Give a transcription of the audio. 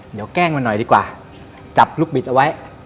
เดี๋ยวแกล้งมันหน่อยดีกว่าจับลูกบิดเอาไว้